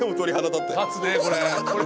立つねこれ。